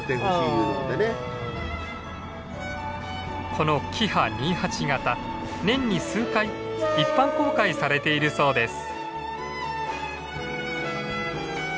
このキハ２８形年に数回一般公開されているそうです。